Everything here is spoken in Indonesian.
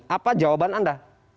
apa jawaban anda